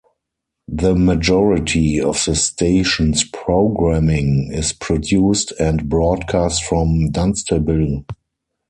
The majority of the station's programming is produced and broadcast from Dunstable.